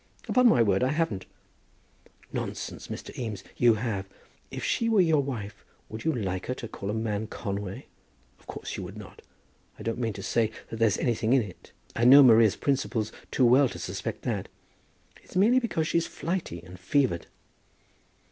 "Upon my word, I haven't." "Nonsense, Mr. Eames; you have. If she were your wife, would you like her to call a man Conway? Of course you would not. I don't mean to say that there's anything in it. I know Maria's principles too well to suspect that. It's merely because she's flighty and fevered."